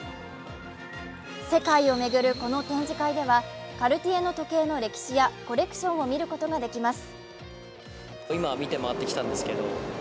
世界を巡るこの展示会ではカルティエの時計の歴史やコレクションを見ることが出来ます。